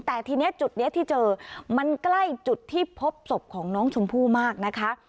แต่ทีนี้จุดนี้ที่เจอมันใกล้จุดที่พบศพของน้องชมพู่มากนะคะ